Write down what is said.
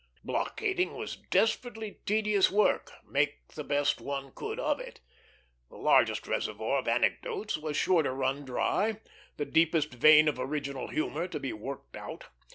Blockading was desperately tedious work, make the best one could of it. The largest reservoir of anecdotes was sure to run dry; the deepest vein of original humor to be worked out.